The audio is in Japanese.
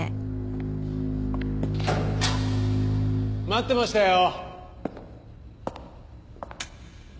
待ってましたよ。